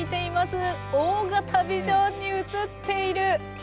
大型ビジョンに映っているこの方。